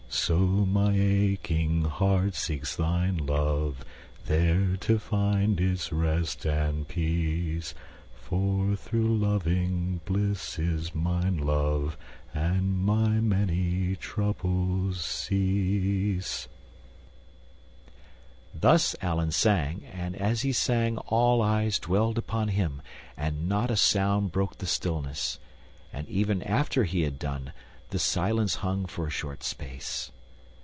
"So my aching heart seeks thine, love, There to find its rest and peace, For, through loving, bliss is mine, love, And my many troubles cease_." Thus Allan sang, and as he sang all eyes dwelled upon him and not a sound broke the stillness, and even after he had done the silence hung for a short space.